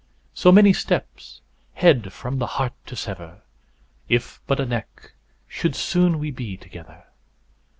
So many steps, head from the heart to sever, If but a neck, soon should we be together.